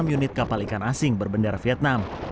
enam unit kapal ikan asing berbendera vietnam